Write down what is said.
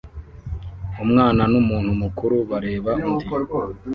Umwana numuntu mukuru bareba undi